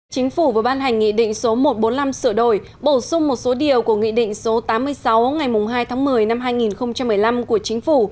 chính phủ vừa ban hành nghị định số một trăm bốn mươi năm sửa đổi bổ sung một số điều của nghị định số tám mươi sáu ngày hai tháng một mươi năm hai nghìn một mươi năm của chính phủ